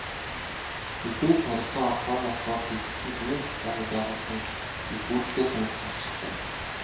Мэдээлэл, харилцаа холбооны асуудал эрхэлсэн төрийн захиргааны байгууллагын эрх үүрэгтэй танилцах учиртай.